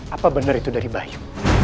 apa benar itu dari bayu